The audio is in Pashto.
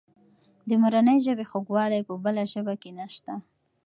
د مورنۍ ژبې خوږوالی په بله ژبه کې نسته.